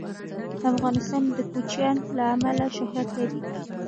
افغانستان د کوچیان له امله شهرت لري.